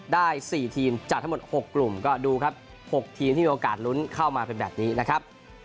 ได้๔ทีมจากทั้งหมด๖กลุ่มก็ดูครับ๖ทีมที่มีโอกาสลุ้นเข้ามาเป็นแบบนี้นะครับ